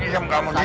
diam kamu diam